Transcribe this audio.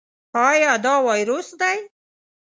ایا دا وایروس دی؟